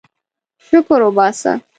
شکر وباسه.